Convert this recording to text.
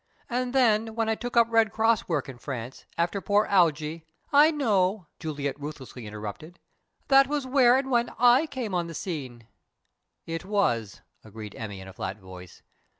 And then, when I took up Red Cross work in France, after poor Algy " "I know," Juliet ruthlessly interrupted. "That was where and when I came on the scene." "It was," agreed Emmy, in a flat voice.